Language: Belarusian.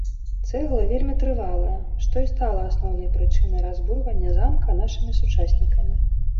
Цэгла вельмі трывалая, што і стала асноўнай прычынай разбурвання замка нашымі сучаснікамі.